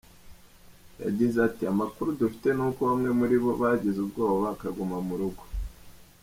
Yagize ati “Amakuru dufite ni uko bamwe muri bo bagize ubwoba bakaguma mu rugo.